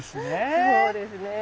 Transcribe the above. そうですね。